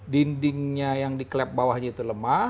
dindingnya yang di klep bawahnya itu lemah